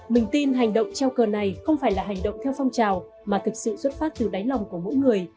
mình tin hành động treo cờ này không phải là hành động theo phong trào mà thực sự xuất phát từ đáy lòng của mỗi người